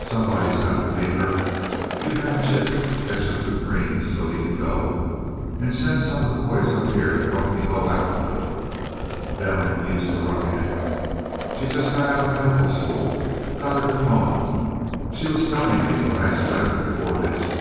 "Somebody's got to meet her you have Chip catch up the creams so he can go. And send some of the boys up here to help me hoe out a little. Dell ain't used to roughing it; she's just out of a medical school got her diploma, she was telling me in the last letter before this.